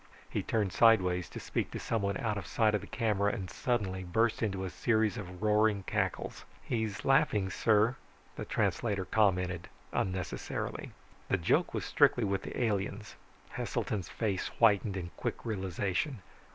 He turned sideways to speak to someone out of sight of the camera and suddenly burst into a series of roaring cackles. "He's laughing, sir." The translator commented unnecessarily. The joke was strictly with the aliens. Heselton's face whitened in quick realization.